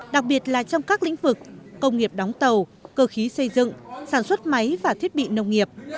đặc biệt là trong các lĩnh vực công nghiệp đóng tàu cơ khí xây dựng sản xuất máy và thiết bị nông nghiệp